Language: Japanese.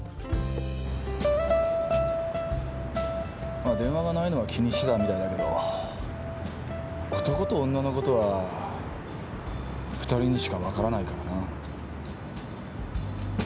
まあ電話がないのは気にしてたみたいだけど男と女のことは二人にしか分からないからな。